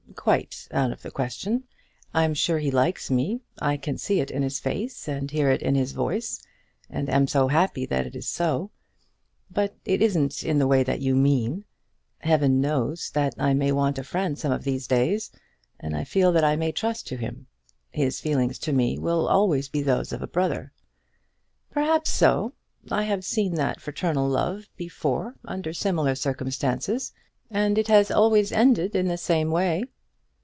"Quite out of the question. I'm sure he likes me. I can see it in his face, and hear it in his voice, and am so happy that it is so. But it isn't in the way that you mean. Heaven knows that I may want a friend some of these days, and I feel that I may trust to him. His feelings to me will be always those of a brother." "Perhaps so. I have seen that fraternal love before under similar circumstances, and it has always ended in the same way."